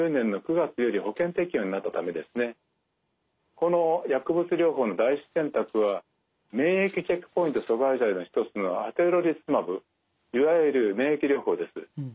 この薬物療法の第１選択は免疫チェックポイント阻害剤の一つのアテゾリスマブいわゆる免疫療法です。